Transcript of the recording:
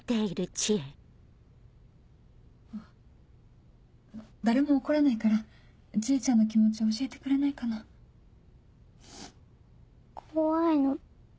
あぁ誰も怒らないから知恵ちゃんの気持ち教えてくれないかな？怖いの。